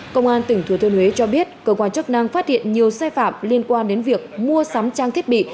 công an tỉnh thừa thiên huế cho biết cơ quan chức năng phát hiện nhiều sai phạm liên quan đến việc mua sắm trang thiết bị